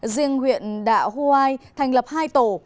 riêng huyện đạo huai thành lập hai tổ